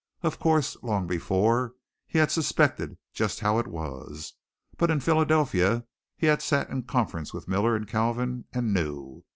Of course, long before, he had suspected just how it was, but in Philadelphia he had sat in conference with Miller and Kalvin, and knew.